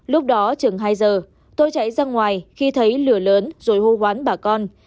lúc đó chừng hai giờ tôi chạy ra ngoài khi thấy lửa lớn rồi hô quán bà con